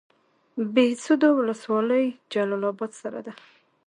بهسودو ولسوالۍ جلال اباد سره ده؟